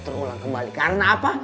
terulang kembali karena apa